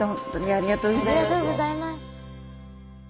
ありがとうございます。